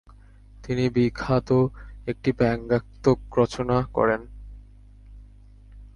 তিনি বিখাত একটি ব্যাঙ্গাত্মক গান রচনা করেন।